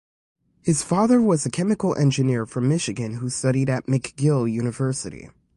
His father was a chemical engineer from Michigan who studied at McGill University.